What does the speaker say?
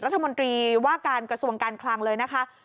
รัฐมนตรีว่าการกระทรวงการคลังเลยนะคะ